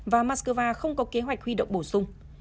và moscow không có kế hoạch huy động bổ sung